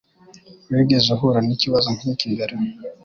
Wigeze uhura nikibazo nkiki mbere